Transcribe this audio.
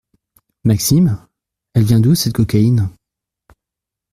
Maxime ? Elle vient d’où, cette cocaïne ?